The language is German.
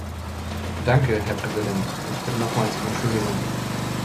Danke, Herr Präsident, und ich bitte nochmals um Entschuldigung.